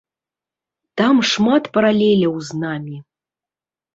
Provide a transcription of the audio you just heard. Там шмат паралеляў з намі.